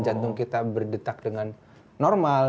jantung kita berdetak dengan normal